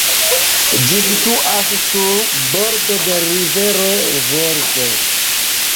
Ĝi situas sur bordo de rivero Volgo.